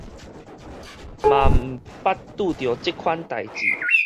嘛毋捌拄著這款代誌